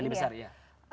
mandi besar iya